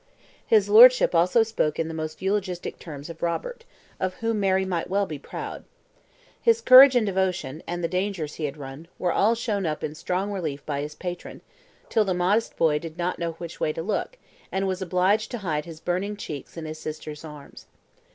His Lordship also spoke in the most eulogistic terms of Robert, of whom Mary might well be proud. His courage and devotion, and the dangers he had run, were all shown up in strong relief by his patron, till the modest boy did not know which way to look, and was obliged to hide his burning cheeks in his sister's arms.